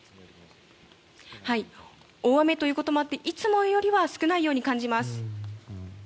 大雨ということもあっていつもよりは少ないように感じます。